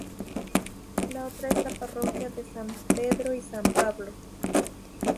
La otra es la parroquia de San Pedro y San Pablo.